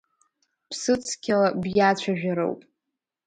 Ԥсыцқьала биацәажәароуп.